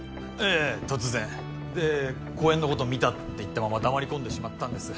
ええ突然で公園のこと見たって言ったまま黙り込んでしまったんです